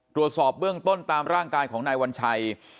ตรวจสอบเบื้องต้นตามร่างกายของนายวัญชัย